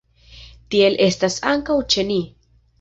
Tiel estas ankaŭ ĉe ni.